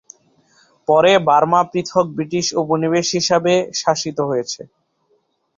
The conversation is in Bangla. পরে বার্মা পৃথক ব্রিটিশ উপনিবেশ হিসেবে শাসিত হয়েছে।